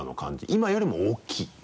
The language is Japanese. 今よりも大きい？